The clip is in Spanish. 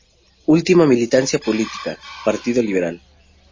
Última militancia política: Partido Liberal.